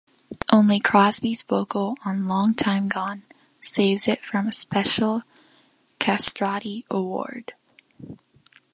Only Crosby's vocal on 'Long Time Gone' saves it from a special castrati award.